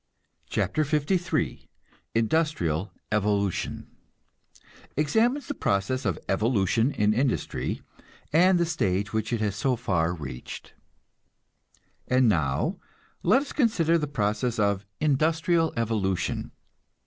CHAPTER LIII INDUSTRIAL EVOLUTION (Examines the process of evolution in industry and the stage which it has so far reached.) And now let us consider the process of industrial evolution.